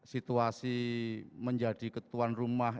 situasi menjadi ketuan rumah